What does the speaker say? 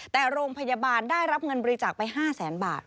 แต่โรงพยาบาลได้รับเงินบริจาคไป๕แสนบาท